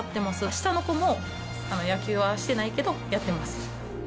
下の子も野球はしてないけど、やってます。